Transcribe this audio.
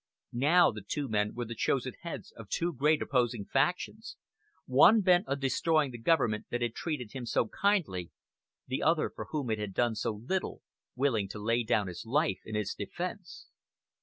Now the two men were the chosen heads of two great opposing factions, one bent on destroying the government that had treated him so kindly; the other, for whom it had done so little, willing to lay down his life in its defense.